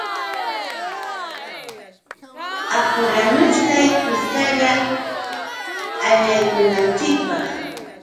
Apuranuchkay kuskalla allaykunanchikpaq.